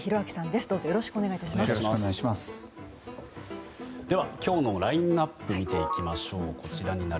では今日のラインアップを見ていきましょう。